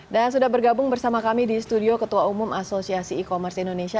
dan sudah bergabung bersama kami di studio ketua umum asosiasi e commerce indonesia